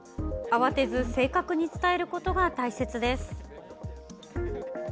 慌てず、正確に伝えることが大切です。